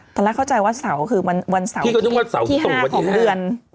ตอนแรกเข้าใจว่าเสาคือวันเสาที่ห้าของเดือน